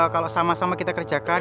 kalau sama sama kita kerjakan